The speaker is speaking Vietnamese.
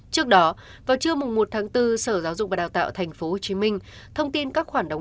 trước đó vào trưa một tháng bốn sở giáo dục và đào tạo tp hcm thông tin các khoản đóng